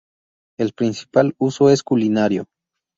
El principal uso es culinario.